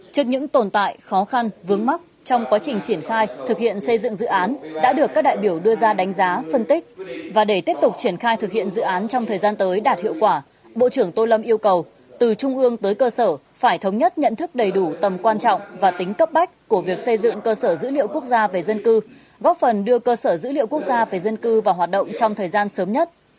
trước những tồn tại khó khăn vướng mắc trong quá trình triển khai thực hiện xây dựng dự án đã được các đại biểu đưa ra đánh giá phân tích và để tiếp tục triển khai thực hiện dự án trong thời gian tới đạt hiệu quả bộ trưởng tô lâm yêu cầu từ trung ương tới cơ sở phải thống nhất nhận thức đầy đủ tầm quan trọng và tính cấp bách của việc xây dựng cơ sở dữ liệu quốc gia về dân cư góp phần đưa cơ sở dữ liệu quốc gia về dân cư vào hoạt động trong thời gian sớm nhất